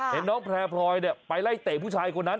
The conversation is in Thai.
เห็นน้องแพร่พลอยไปไล่เตะผู้ชายคนนั้น